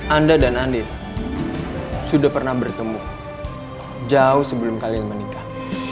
anda dan andi sudah pernah bertemu jauh sebelum kalian menikah